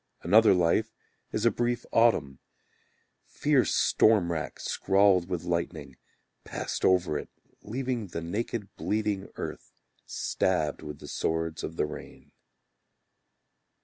Another life is a brief autumn, Fierce storm rack scrawled with lightning Passed over it Leaving the naked bleeding earth, Stabbed with the swords of the rain.